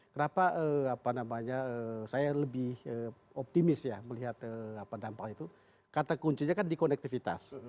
kenapa saya lebih optimis ya melihat dampak itu kata kuncinya kan di konektivitas